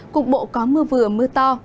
cục bộ có mưa vừa mưa to